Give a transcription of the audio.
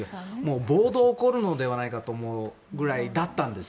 暴動が起こるのではないかと思うぐらいだったんです。